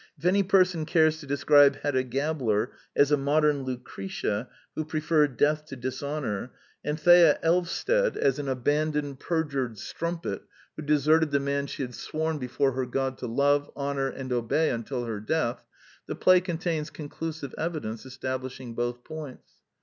If any person cares to describe Hedda Gabler as a modern Lucretia who pre ferred death to dishonor, and Thea Elvsted as an 1 8 8 The Quintessence of Ibsenism abandonedi perjured strumpet who deserted the man she had sworn before her God to love, honor, and obey until her death, the play contains con clusive evidence establishing both points.